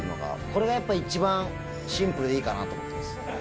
これがやっぱり一番シンプルでいいかなと思ってます。